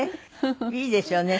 いいですよね。